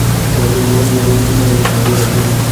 উমর ইবন হাজিব রচিত পরিশিষ্ট।